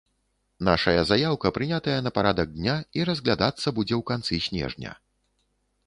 Нашая заяўка прынятая на парадак дня і разглядацца будзе ў канцы снежня.